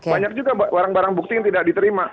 banyak juga barang barang bukti yang tidak diterima